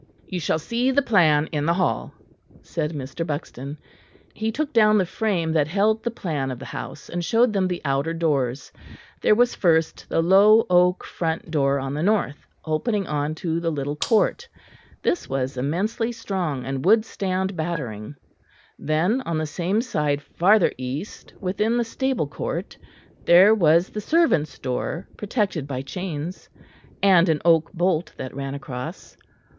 "You shall see the plan in the hall," said Mr. Buxton. He took down the frame that held the plan of the house, and showed them the outer doors. There was first the low oak front door on the north, opening on to the little court; this was immensely strong and would stand battering. Then on the same side farther east, within the stable court, there was the servants' door, protected by chains, and an oak bolt that ran across.